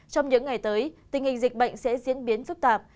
trong những ngày tới tình hình dịch bệnh sẽ diễn biến phức tạp